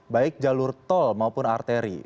baik jalur tol maupun arteri